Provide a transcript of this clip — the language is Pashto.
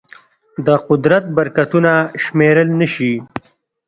د قدرت برکتونه شمېرل نهشي.